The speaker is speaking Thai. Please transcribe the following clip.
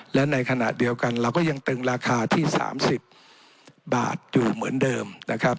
และในขณะเดียวกันเราก็ยังตึงราคาที่๓๐บาทอยู่เหมือนเดิมนะครับ